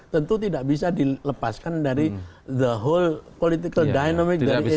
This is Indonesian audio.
tentu tidak bisa dilepaskan dari the whole political dynamic dari indonesia